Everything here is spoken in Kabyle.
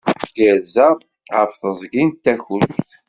Tirza ɣer teẓgi n Takkuct.